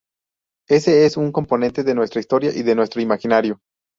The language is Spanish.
Ese es un componente de nuestra historia y de nuestro imaginario.